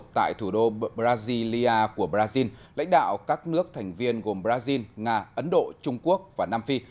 tại thủ đô brasilia của brazil lãnh đạo các nước thành viên gồm brazil nga ấn độ trung quốc và nam phi